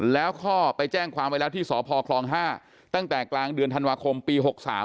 แล้วก็ไปแจ้งความไว้แล้วที่สพคล๕ตั้งแต่กลางเดือนธันวาคมปี๖๓